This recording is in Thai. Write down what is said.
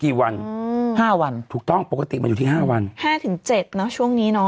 กี่วันถูกต้องปกติมันอยู่ที่๕วัน๕๗ช่วงนี้